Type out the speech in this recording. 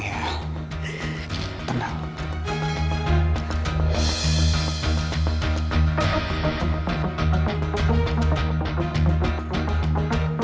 jadi kita kesuri tidak lagi